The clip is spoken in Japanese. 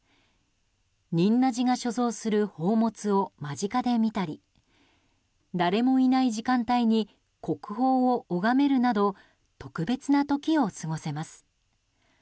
仁和寺が所蔵する宝物を間近で見たり誰もいない時間帯に国宝を拝めるなど特別な時を過ごせます。